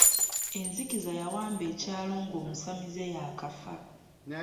Enzikiza yawamba ekyalo ng’omusamize y’akafa.